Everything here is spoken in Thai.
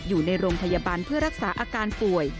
อยู่ในโรงพยาบาลเพื่อรักษาอาการป่วย